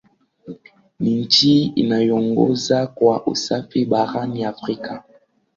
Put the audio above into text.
Ni nchi inayoongoza kwa usafi barani Afrika